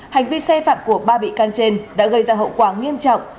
hành vi sai phạm của ba bị can trên đã gây ra hậu quả nghiêm trọng